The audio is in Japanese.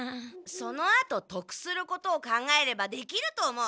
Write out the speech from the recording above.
そのあと得することを考えればできると思う。